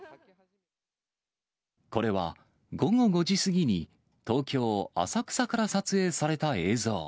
これは、午後５時過ぎに東京・浅草から撮影された映像。